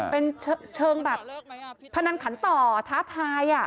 เป็นเชิงแบบพนันขันต่อท้าทาย